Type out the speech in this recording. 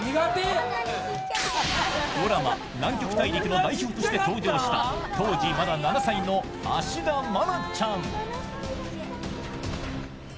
ドラマ「南極大陸」の代表として登場した当時まだ７歳の芦田愛菜ちゃん。